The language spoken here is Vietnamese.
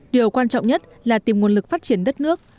điều quan trọng nhất là tìm nguồn lực phát triển đất nước